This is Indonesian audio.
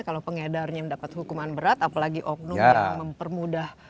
kalau pengedarnya mendapat hukuman berat apalagi oknum yang mempermudah